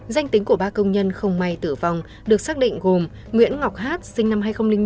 danh tính của ba công nhân không may tử vong được xác định gồm nguyễn ngọc hát sinh năm hai nghìn năm